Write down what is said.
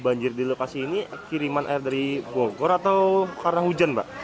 banjir di lokasi ini kiriman air dari bogor atau karena hujan mbak